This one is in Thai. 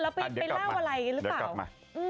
แล้วไปเล่าอะไรกันหรือเปล่า